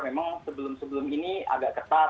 memang sebelum sebelum ini agak ketat